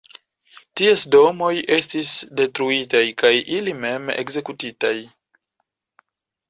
Ties domoj estis detruitaj kaj ili mem ekzekutitaj.